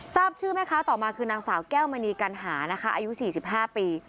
ทราบชื่อแม่ค้าต่อมาคือนางสาวแก้วมณีกัณหานะคะอายุ๔๕ปี